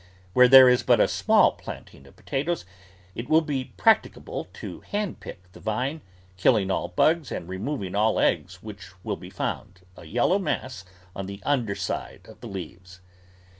Where there is but a small planting of potatoes, it will be practicable to handpick the vine, killing all bugs and removing all eggs, which will be found, a yellow mass, on the underside of the leaves.